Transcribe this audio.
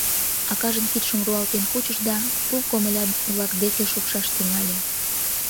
Акажын кидшым руалтен кучыш да пу комыля-влак деке шупшаш тӱҥале.